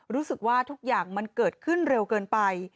รู้สึกว่าทุกอย่างมันเกิดขึ้นเร็วเกินไป